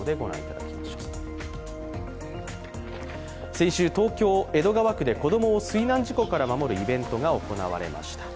先週、東京・江戸川区で子供を水難事故から守るイベントが行われました。